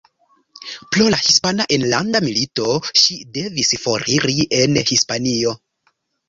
Pro la Hispana Enlanda Milito, ŝi devis foriri el Hispanio.